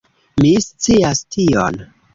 Mi scias tion.